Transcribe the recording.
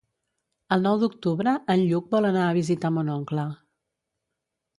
El nou d'octubre en Lluc vol anar a visitar mon oncle.